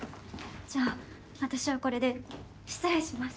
じゃあ私はこれで失礼します。